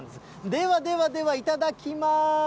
ではではでは、いただきます。